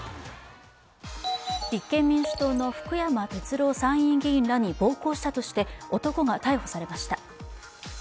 立憲民主党の福山哲郎参院議員らに暴行したとして、男が逮捕されました。